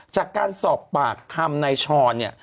จากการสอบปากคำในชอน